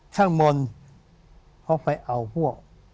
ข้างบนเขาไปเอาพวก